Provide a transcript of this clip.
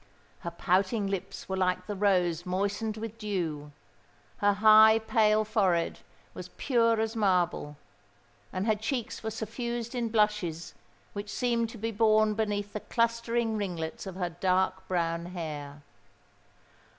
Her pouting lips were like the rose moistened with dew: her high, pale forehead was pure as marble; and her cheeks were suffused in blushes which seemed to be born beneath the clustering ringlets of her dark brown hair.